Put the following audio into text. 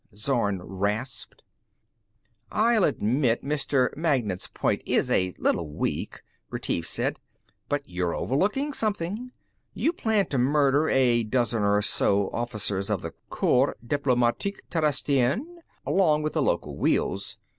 Zorn rasped. "I'll admit Mr. Magnan's point is a little weak," Retief said. "But you're overlooking something. You plan to murder a dozen or so officers of the Corps Diplomatique Terrestrienne along with the local wheels.